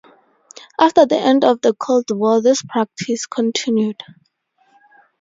After the end of the Cold War this practice continued.